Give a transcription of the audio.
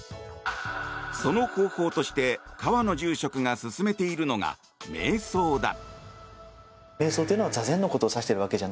その方法として川野住職が勧めているのがめい想だ。